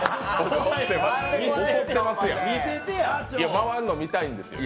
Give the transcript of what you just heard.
いや、回るの見たいんですよ